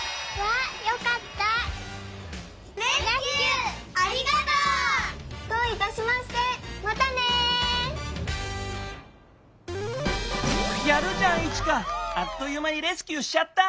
あっというまにレスキューしちゃった。